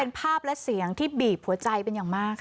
เป็นภาพและเสียงที่บีบหัวใจมาก